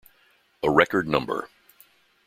A record number.